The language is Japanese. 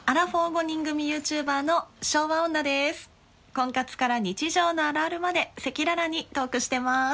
婚活から日常のあるあるまで赤裸々にトークしてます。